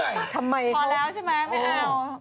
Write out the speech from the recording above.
ไม่ตามเลยพอแล้วใช่มั้ยไม่เอา